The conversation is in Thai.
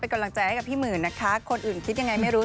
กำลังใจให้กับพี่หมื่นนะคะคนอื่นคิดยังไงไม่รู้